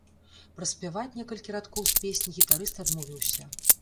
Праспяваць некалькі радкоў з песні гітарыст адмовіўся.